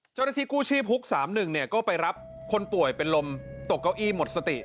เจ้าหน้าที่กู้ชีพฮุก๓๑ก็ไปรับคนป่วยเป็นลมตกเก้าอี้หมดสติ